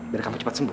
biar kamu cepat sembuh